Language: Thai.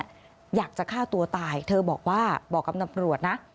อยากจะฆ่าตัวตายเธอบอกว่าบอกกับตำรวจนะ